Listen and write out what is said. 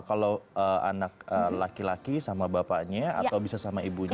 kalau anak laki laki sama bapaknya atau bisa sama ibunya